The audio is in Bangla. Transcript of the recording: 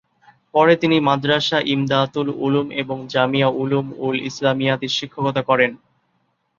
পরে তিনি মাদ্রাসা ইমদাদুল উলুম এবং জামিয়া উলুম-উল-ইসলামিয়াতে শিক্ষকতা করেন।